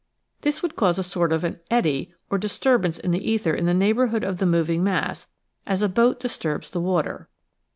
This would cause a sort of an eddy or disturbance in the ether in the neighborhood of the moving mass as a boat disturbs the water.